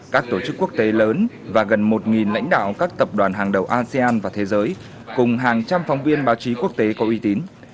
các tổ chức quốc tế lớn và gần một lãnh đạo các tập đoàn hàng đầu asean và thế giới cùng hàng trăm phóng viên báo chí quốc tế có uy tín